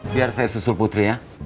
biar saya susul putri ya